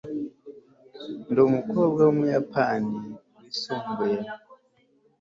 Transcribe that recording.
ndi umukobwa w'ubuyapani yisumbuye